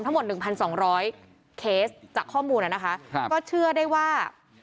ทั้งหมด๑๒๐๐เคสจากข้อมูลนะคะก็เชื่อได้ว่า